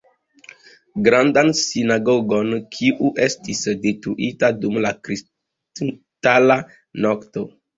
Grandan sinagogon, kiu estis detruita dum la Kristala nokto.